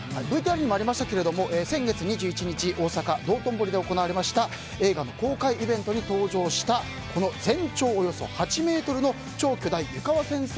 ＶＴＲにもありましたけど先月２１日大阪・道頓堀で行われた映画の公開イベントに登場したこの全長およそ８ｍの超巨大湯川先生